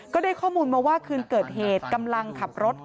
ก็ได้ข้อมูลมาว่าคืนเกิดเหตุกำลังขับรถ